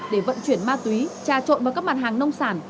để vận chuyển ma túy trà trộn vào các mặt hàng nông sản